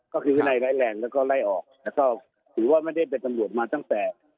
ก็คือวินัยร้ายแรงแล้วก็ไล่ออกแล้วก็ถือว่าไม่ได้เป็นตำรวจมาตั้งแต่